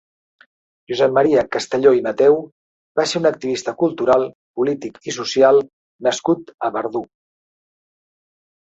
Josep Maria Castelló i Mateu va ser un activista cultural, polític i social nascut a Verdú.